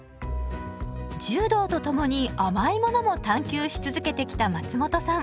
柔道とともに甘いものも探求し続けてきた松本さん。